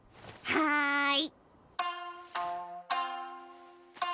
はい！